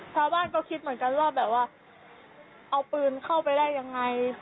ชาวบ้านก็คิดเหมือนกันว่าแบบว่าเอาปืนเข้าไปได้ยังไง